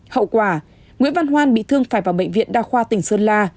hậu quả nguyễn văn hoan bị thương phải vào bệnh viện đa khoa tỉnh sơn la